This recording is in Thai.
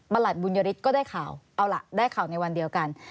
หลัดบุญยฤทธิก็ได้ข่าวเอาล่ะได้ข่าวในวันเดียวกัน